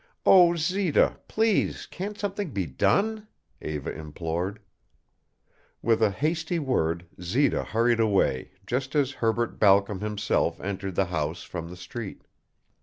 "Oh Zita please can't something be done?" Eva implored. With a hasty word Zita hurried away just as Herbert Balcom himself entered the house from the street.